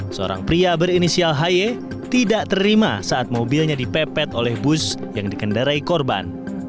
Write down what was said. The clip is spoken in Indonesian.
seorang pria berinisial haye tidak terima saat mobilnya dipepet oleh bus yang dikendarai korban